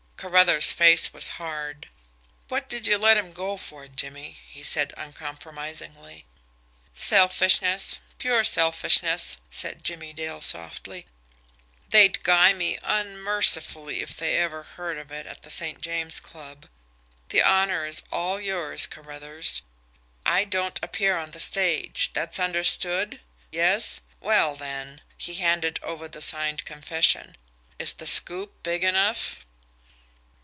Carruthers' face was hard. "What did you let him go for, Jimmie?" he said uncompromisingly. "Selfishness. Pure selfishness," said Jimmie Dale softly. "They'd guy me unmercifully if they ever heard of it at the St. James Club. The honour is all yours, Carruthers. I don't appear on the stage. That's understood? Yes? Well, then" he handed over the signed confession "is the 'scoop' big enough?"